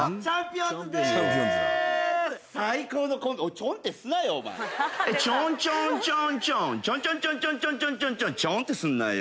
ちょんちょんちょんちょんちょんちょんちょんちょんちょんちょんちょんちょんちょんってすんなよ。